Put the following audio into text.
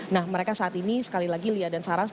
nah mereka saat ini sekali lagi lia dan sarah